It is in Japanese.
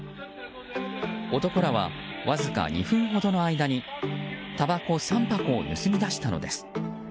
男らは、わずか２分ほどの間にたばこ３箱を盗み出したのです。